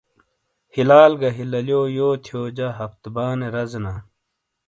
ہیلال گہ ہیلیالیو یو تھیوجہ ہفت بانے رزینا۔